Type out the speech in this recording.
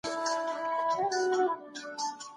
سازمانونه د سولي په خبرو کي څه غواړي؟